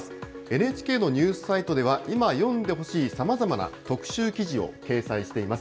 ＮＨＫのニュースサイトでは、今読んでほしいさまざまな特集記事を掲載しています。